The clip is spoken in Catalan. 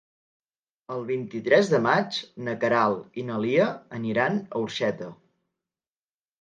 El vint-i-tres de maig na Queralt i na Lia aniran a Orxeta.